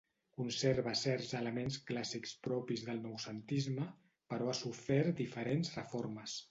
Conserva certs elements clàssics propis del noucentisme, però ha sofert diferents reformes.